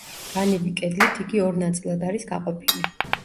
განივი კედლით იგი ორ ნაწილად არის გაყოფილი.